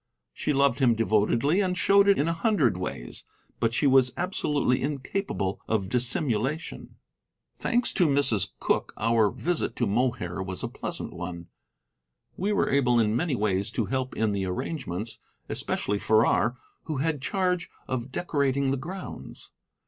She loved him devotedly and showed it in a hundred ways, but she was absolutely incapable of dissimulation. Thanks to Mrs. Cooke, our visit to Mohair was a pleasant one. We were able in many ways to help in the arrangements, especially Farrar, who had charge of decorating the grounds.